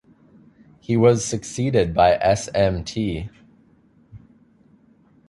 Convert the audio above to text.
She was succeeded by Smt.